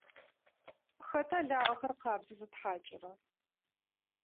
Хэта лагъэхэр къабзэу зытхьакӏырэр?